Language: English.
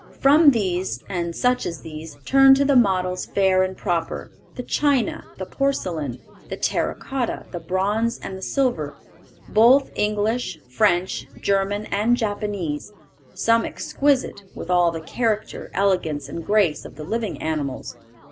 From these, and such as these, turn to the models fair and proper; the china, the porcelain, the terra cotta, the bronze, and the silver, both English, French, German, and Japanese; some exquisite, with all the character, elegance, and grace of the living animals.